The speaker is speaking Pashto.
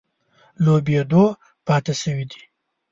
لوبېدو پاتې شوي دي.